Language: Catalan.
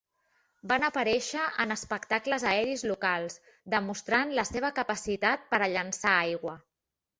Van aparèixer en espectacles aeris locals, demostrant la seva capacitat per a llançar aigua.